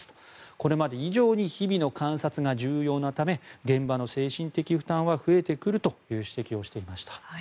これまで以上に日々の観察が重要なため現場の精神的負担は増えてくるという指摘をしていました。